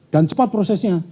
dan cepat prosesnya